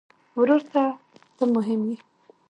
ورور ته ته مهم یې.